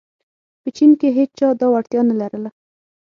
په چین کې هېچا دا وړتیا نه لرله.